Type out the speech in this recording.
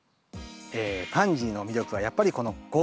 パンジーの魅力はやっぱりこの豪華さですね。